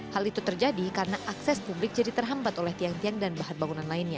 hal itu terjadi karena akses publik jadi terhambat oleh tiang tiang dan bahan bangunan lainnya